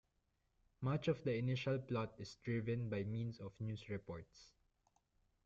Much of the initial plot is driven by means of news reports.